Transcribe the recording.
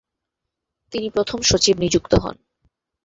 তিনি প্রথম সচিব নিযুক্ত হন।